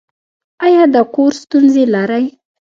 ایا د کور ستونزې لرئ؟